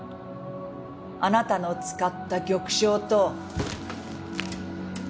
あなたの使った玉将と。